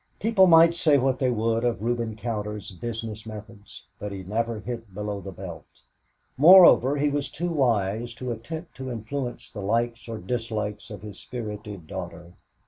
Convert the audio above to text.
People might say what they would of Reuben Cowder's business methods, but he never hit below the belt. Moreover, he was too wise to attempt to influence the likes or dislikes of his spirited daughter.